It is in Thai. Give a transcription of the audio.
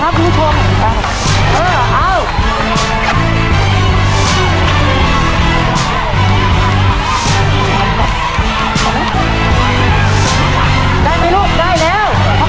อ๋อมันคงค่อยมันเป็นอย่างนี้เนี้ยเวลาใส่ถูกแล้วนะฮะ